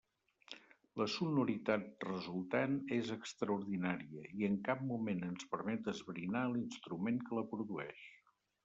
La sonoritat resultant és extraordinària, i en cap moment ens permet esbrinar l'instrument que la produeix.